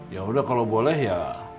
ya udah kalau boleh ya